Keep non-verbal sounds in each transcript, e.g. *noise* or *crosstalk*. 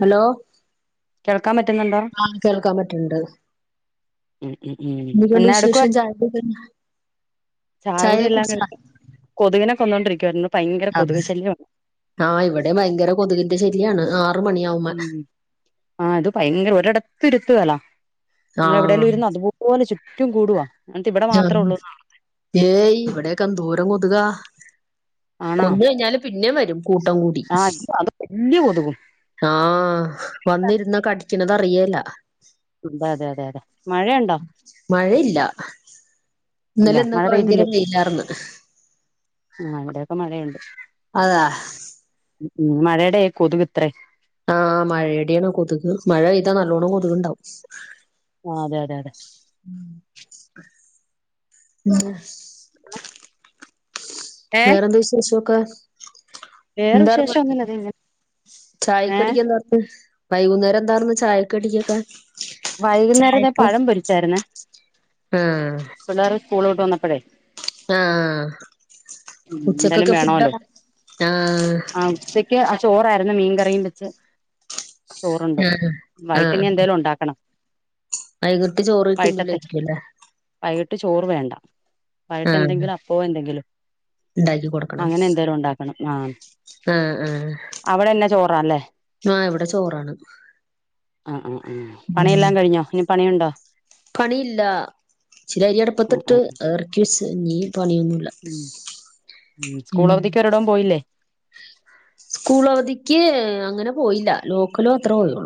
hello *unintelligible* ആ കേൾക്കാൻ പറ്റുണ്ട് ഉം ഉം ഉം എന്തൊക്കെയുണ്ട് എന്നാ വിശേഷം ചായ കുടി കഴിഞ്ഞോ ചായ കുടി എല്ലാം കഴിഞ്ഞ് കൊതുകിനെ കൊന്നോണ്ടിരിക്കാരുന്നു അതെ ആ ഇവിടെ ഭയങ്കര കൊതുകിന്റെ ശൈല്യയാണ് ഉം ആ അത് ഭയങ്കര ഒരിടത്ത് ഇരു നമ്മൾ എവിടേലും ഇരുന്ന് അതുപോലെ ചു ഏറ്റവും കൂടുവാ എന്നിട്ട് ഇവിടെ ആ മാത്രേ ഉള്ളൂ ഏയ് ഇവിടൊക്കെ എന്തോരം *unintelligible* *inaudible* ആണോ കൊന്ന് കഴിഞ്ഞാല് പിന്നെ വരും കൂട്ടം കൂടി ആഹ് അത് വല്യ കൊതുകും ആഹാ വന്നിരുന്ന് കടിക്കണ അതറിയേല്ല എന്താ അതെ അതെ അതെ മഴയുണ്ടോ മഴയില്ല ഇല്ല ഇന്നലെ മഴ ഇന്നൊക്കെ ഭയങ്കര പെയ്തില്ലേ വെയിലാരുന്നു *unintelligible* ആഹ് ഇവിടെയൊക്കെ മഴയുണ്ട് അതാ ഉം മഴടെയാ ഈ കൊതുക് ഇത്രേം ആഹാ മഴയുടെയാണ് കൊതുക് മഴ പെയ്താ നല്ലോണ്ണം കൊതുകുണ്ടാവും ആ അതെ അതെ അതെ ഉം ഏഹ് വേറെ എന്താ വിശേഷോക്കെ വേറെ എന്താർന്ന് വിശേഷം ഒന്നുല്ല ദേ ഇങ്ങനെ ഏഹ് ചായകടിക്ക് എന്താർന്ന് വൈകുന്നേരം എന്താരുന്ന് ചായ കടിക്കൊക്കെ വൈകുന്നേരം ഞാൻ പഴം പൊരിച്ചായിരുന്നേ ആഹ് പിള്ളേർ സ്കൂൾ വിട്ടുവന്നപ്പോ പ്പഴേ ആഹ് ഉം എന്തേലും ഉച്ചക്കൊക്കെ ഫുഡ് വേണോല്ലോ *unintelligible* ആഹ് ആ ഉച്ചക്ക് ആ ചോറായിരുന്നു മീൻകറിയും വെച്ച് ചോറുണ്ട് ആഹ് ആഹ് വൈകിട്ടിനി എന്തേലും ഉണ്ടാക്കണം വൈകിട്ട് ചോറ് വൈകിട്ടത്തെ തിന്നൂലായിരിക്കൂല്ലേ വൈകിട്ട് ചോറ് വേണ്ട വൈകിട്ട് എന്തെങ്കിലും അപ്പോ എന്തെങ്കിലും ഇണ്ടാക്കി കൊടുക്കണം അങ്ങനെ എന്തേലും ഉണ്ടാക്കണം ആഹ് അവിടെന്നാ ചോറാല്ലേ ആ ഇവിടെ ചോറാണ് *inaudible* ഉം പണിയെല്ലാം കഴിഞ്ഞോ ഇനി പണിയുണ്ടോ പണിയില്ല ച്ചിരി അരി ആ അടപ്പത്തിട്ട് ആ അതിറക്കിവച്ച് ഇനി പണിയൊന്നുമില്ല ഉം സ്കൂൾ ഉം അവധിക്ക് ഒരിടവും പോയില്ലേ സ്കൂൾ അവധിക്ക് അങ്ങനെ പോയില്ല ലോക്കല് മാത്ര പോയേള്ളു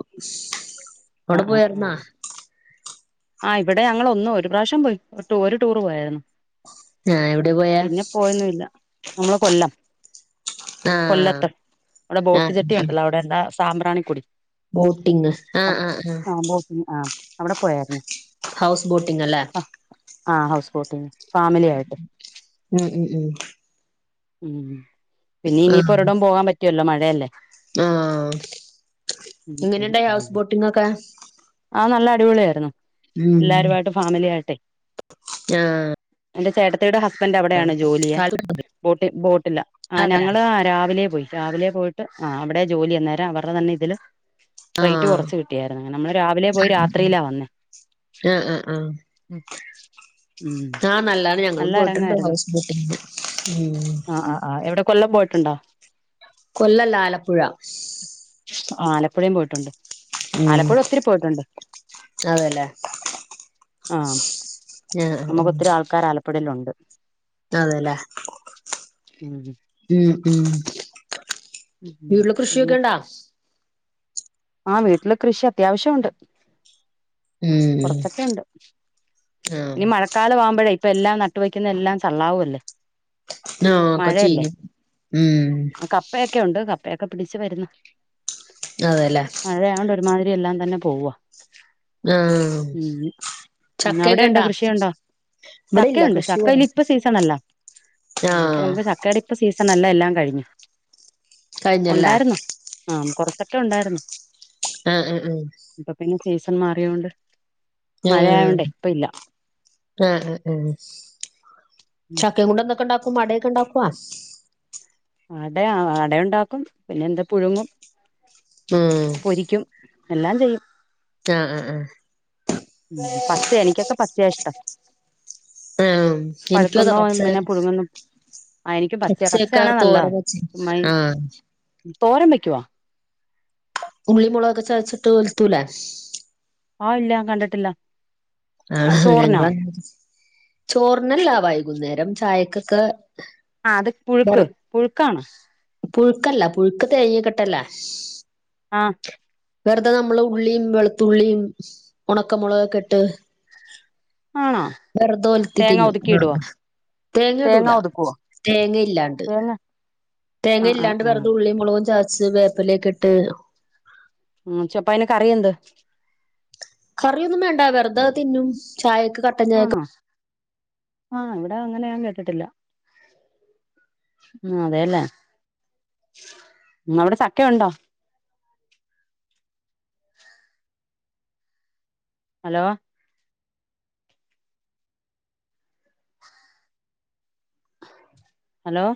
അവിടെ പോയാരുന്നാ ആഹ് ഇവിടെ ഞങ്ങൾ ഒന്ന് ഒരു പ്രാവശ്യം പോയി ഒര് ഒരു ടൂറ് പോയാരുന്നു ആഹ് എവിടെ പോയാ പിന്നെ പോയൊന്നുല്ല നമ്മള് കൊല്ലം ആഹ് കൊല്ലത്ത് അവിടെ ബോട്ട്ജട്ടി ഉണ്ടല്ലോ അവിടെ എന്താ സാമ്പ്രാണിക്കുടി ബോട്ടിംഗ് അ ആഹ ബോട്ടിംഗ് ആഹ് അവിടെ പോയാരുന്നു ഹൗസ് ബോട്ടിംഗ് അല്ലേ ആഹ് ആ ഹൗസ് ബോട്ടിംഗ് *unintelligible* *inaudible* പിന്നെ ഇനിയിപ്പോ ആഹ് ഒരിടോം പോകാൻ പറ്റുവില്ലല്ലോ മഴ *unintelligible* അല്ലേ ആഹ് ഉം ഉം എങ്ങനെണ്ടായി ഹൗസ് ഉം ബോട്ടിംഗ് ഒക്കെ ആ നല്ല അടിപൊളിയായിരുന്നു ഉം എല്ലാരുമായിട്ട് ഫാമിലി ആയിട്ടെ ആഹ് എന്റെ ചേട്ടത്തിടെ ഹസ് ഹസ്ബൻഡ് അവിടെയാണ് ജോലിയ അതെ *unintelligible* ബോട്ടിലാ ആഹ് ഞങ്ങള് രാവിലെ പോയി രാവിലെ പോയിട്ട് ആഹ് അവിടെയാ ജോലി അന്നേരം അവർടെ തന്നെ ഇതില് റേറ്റ് ആഹ് കൊറച്ച് കിട്ടിയായിരുന്നു *unintelligible* നമ്മള് രാവിലെ പോയി രാത്രിയിലാ വന്നേ ആഹ് ആഹ് ഉം ആഹ് നല്ലാണ് ഞങ്ങളും നല്ല പോയിട്ടുണ്ട് അരങ്ങായിരുന്നു ഹൗസ്ബോട്ടിങ്ങിന് ആ ആ ആ എവിടെ കൊല്ലം പോയിട്ടുണ്ടോ ആലപ്പുഴയും പോയിട്ടുണ്ട് ഉം ആലപ്പുഴ ഒത്തിരി പോയിട്ടുണ്ട് അതെല്ലേ ആഹ് ആഹ് ആഹ് നമുക്കൊത്തിരി ആൾക്കാർ ആലപ്പ ഇപ്പടലുണ്ട് അതെല്ലേ ഉം ഉം ഉം ഉം വീട്ടില് പിന്നെ കൃഷിയൊക്കെണ്ടാ ആ വീട്ടില് കൃഷി അത്യാവശ്യംമുണ്ട് ഉം കുറച്ചൊക്കെ ഉണ്ട് ആഹ് ഇനി മഴ മയകാലമാവുമ്പോയേ ഇപ്പൊ എല്ലാം നട്ടുവെക്കുന്ന എല്ലാം ചള്ളാവുമല്ലേ ആ കച്ചി മഴയല്ലേ ഉം അപ്പൊക്കെ പിടിച്ചു വരുന്ന *inaudible* മഴയായൊണ്ട് ഒരുമാതിരിയ എല്ലാം തന്നെ പോവ ആഹ് ഉ അവിടെ ചക്കയൊക്കെ ഉണ്ട് ഇണ്ടാ കൃഷിയുണ്ടോ ഇവിടെ ഇല്ല ചക്കണ്ട് കൃഷി കുറവാ ചക്കയിൽ ഇപ്പ സീസണല്ലോ ആഹ് നമുക്ക് ചക്കയുടെ ഇപ്പ സീസൺ നല്ല എല്ലാം കഴിഞ്ഞു കഴിഞ്ഞല്ലേ ഉണ്ടായിരുന്നു ആ കൊറച്ച് ചക്ക ഉണ്ടായിരുന്നു ആഹ ഉം ഉം ഇപ്പൊ പിന്നെ സീസൺ മാറിയൊണ്ട് ആഹ് ആ ആ ആ ചക്കേം കൊണ്ട ന്താ ക്കൊണ്ടാക്കും അടയൊക്കെ ഉണ്ടാക്കോ അട അട യുണ്ടാക്കും പിന്നെ എന്താ പുഴുങ്ങും ഉം പൊരിക്കും എല്ലാം ചെയ്യും ആഹ് ആ ആ ഉം പച്ച എനിക്കൊക്കെ പച്ചയാ ഇഷ്ടം ആഹ് എനിക്കു അതാ പഴുക്കുന്നോ പച്ച പിന്നെ പുഴുങ്ങുന്നു ആ എനിക്കും പച്ചയാ പച്ചയൊക്കെ പച്ചയാണേ നല്ലതാ തോരൻ വെച്ച് ചുമ്മാ ഈ ആഹ് തോരൻ വെക്കുവോ ഉള്ളിമുളകൊക്കെ ചതച്ചിട്ട് ഒലത്തൂലേ ഉ *inaudible* ആഹ് ഇല്ല ഞാൻ കണ്ടിട്ടില്ല ആ ചോറിനോ ഞങ്ങളാ ചോറിനല്ല വയി കുന്നേരം ചായക്കൊക്കെ ആ അത് വെറ പുഴുക്ക് പുഴുക്കാണോ പുഴുക്കല്ല പുഴുക്ക് തേങ്ങ ഒക്കെ ഇട്ടല്ലേ ആഹ് വെറുതെ നമ്മള് ഉള്ളിയും വെളുത്തുള്ളിയും ഉണക്കമുളകൊക്കെ ഇട്ട് ആണോ വെറുതെ ഒല്ത്തി തേങ്ങ തിന്നും ഒതുക്കി ഇടുവോ തേങ്ങ ഇടൂല തേങ്ങ ഇല്ലാണ്ട് തേങ്ങ തേങ്ങ ആ ആ ഇല്ലാണ്ട് ആ വെറുത ഉള്ളിം മുളകും ചത ച്ച് വേപ്പിലയൊക്കെ ഇട്ട് ഉം ചപ്പോ അയ്ന് കറിയന്ത് കറിയൊന്നും വേണ്ട വെറുത തിന്നും ചായ ക്ക് കട്ടൻ ചായക്ക് ആഹ് ഇവിടെ അങ്ങനെ ഞാൻ കേട്ടിട്ടില്ല ഉം അതെല്ലേ ഉം അവിടെ ചക്കയുണ്ടോ ഹലോ ഹലോ